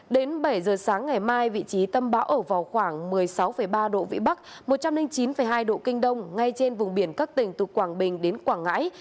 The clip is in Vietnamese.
đến bảy giờ sáng ngày mai vị trí tâm bão ở vào khoảng một mươi sáu ba độ vĩ bắc một trăm linh chín hai độ kinh đông ngay trên vùng biển các tỉnh từ quảng bình đến quảng ngãi